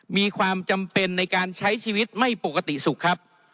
มีความจำเป็นในการใช้ชีวิตไม่ปกติสุขครับ